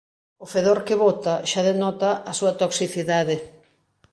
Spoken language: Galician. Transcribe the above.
O fedor que bota xa denota a súa toxicidade.